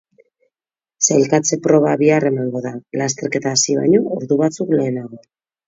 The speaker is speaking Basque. Sailkatze proba bihar emango da, lasterketa hasi baino ordu batzuk lehenago.